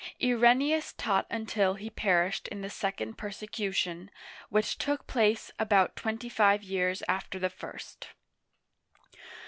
Ireneus taught until, he perished in the second persecution, which took place about twenty five years after the first.